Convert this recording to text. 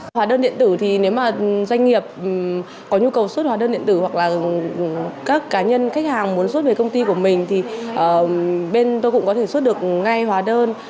hóa đơn điện tử thì nếu mà doanh nghiệp có nhu cầu xuất hóa đơn điện tử hoặc là các cá nhân khách hàng muốn rút về công ty của mình thì bên tôi cũng có thể xuất được ngay hóa đơn